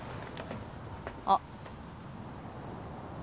あっ。